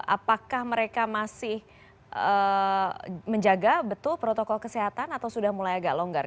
apakah mereka masih menjaga betul protokol kesehatan atau sudah mulai agak longgar